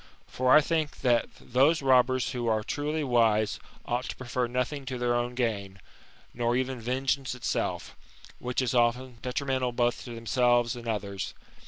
For I think that those robbers who are truly wise ought to prefer nothing to their own gain, nor even vengeance itself, which is often detrimental both to themselves and others.